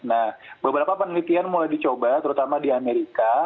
nah beberapa penelitian mulai dicoba terutama di amerika